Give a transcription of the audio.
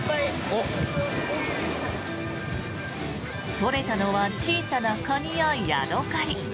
取れたのは小さなカニやヤドカリ。